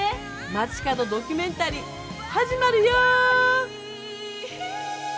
「街角ドキュメンタリー」始まるよ。